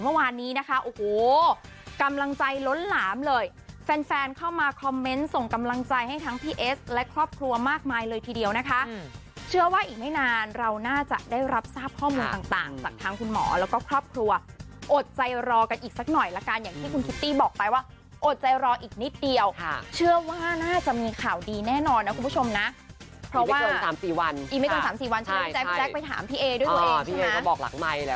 เมื่อวานนี้นะคะโอ้โหกำลังใจล้นหลามเลยแฟนแฟนเข้ามาคอมเมนต์ส่งกำลังใจให้ทั้งพี่เอสและครอบครัวมากมายเลยทีเดียวนะคะเชื่อว่าอีกไม่นานเราน่าจะได้รับทราบข้อมูลต่างจากทางคุณหมอแล้วก็ครอบครัวอดใจรอกันอีกสักหน่อยละกันอย่างที่คุณคิตตี้บอกไปว่าอดใจรออีกนิดเดียวเชื่อว่าน่าจะมีข่าวดีแน่นอนนะคุณผู้ชมนะเพราะว่า